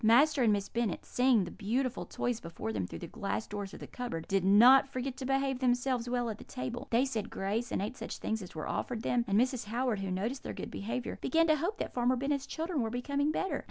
Master and Miss Bennet, seeing the beautiful toys before them through the glass doors of the cupboard, did not forget to behave themselves well at table; they said grace and ate such things as were offered them; and Mrs. Howard, who noticed their good behaviour, began to hope that Farmer Bennet's children were becoming better.